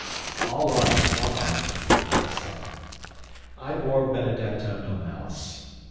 All art's one art, as I said. I bore Benedetto no malice.